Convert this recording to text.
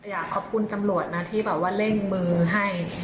อยากขอบคุณตำรวจนะที่แบบว่าเร่งมือให้